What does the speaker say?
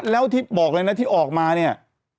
แล้วที่บอกเลยนะที่ออกมาเนี่ย